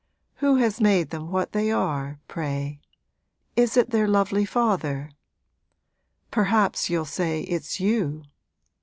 'Who has made them what they are, pray? is it their lovely father? Perhaps you'll say it's you!